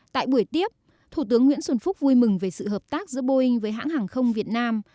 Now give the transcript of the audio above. tại buổi tiếp thủ tướng nguyễn xuân phúc vui mừng về sự hợp tác giữa boeing với hãng hàng không việt nam